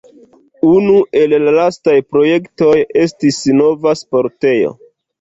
Unu el la lastaj projektoj estis nova sportejo.